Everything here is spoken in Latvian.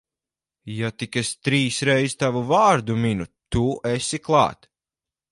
Ja tik es trīs reiz tavu vārdu minu, tu esi klāt.